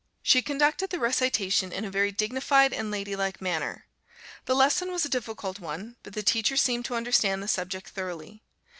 She conducted the recitation in a very dignified and lady like manner. The lesson was a difficult one, but the teacher seemed to understand the subject thoroughly.